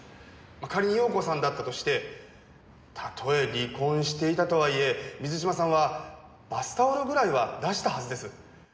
仮に容子さんだったとしてたとえ離婚していたとはいえ水嶋さんはバスタオルぐらいは出したはずです。